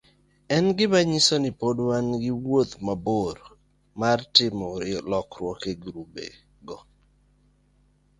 En gima nyiso ni pod wan gi wuoth mabor mar timo lokruok e grubego,